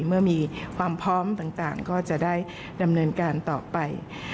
เมื่อมีความพร้อมต่างก็จะได้ดำเนินการต่อไป